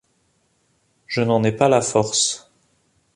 Je n’en ai pas la force.